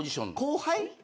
後輩？